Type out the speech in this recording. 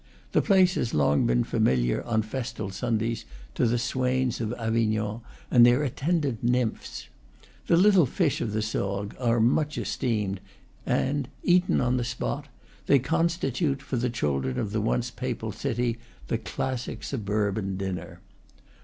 The place has long been familiar, on festal Sundays, to the swains of Avignon and their attendant nymphs. The little fish of the Sorgues are much esteemed, and, eaten on the spot, they constitute, for the children of the once Papal city, the classic sub urban dinner.